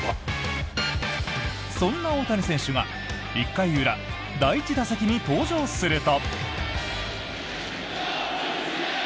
そんな大谷選手が１回裏、第１打席に登場すると。